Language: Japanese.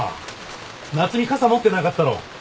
夏海傘持ってなかったろ。